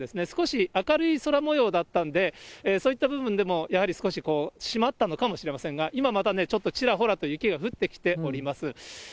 少し明るい空もようだったんで、そういった部分でも、やはり少ししまったのかもしれませんが、今またね、ちょっとちらほらと雪が降ってきております。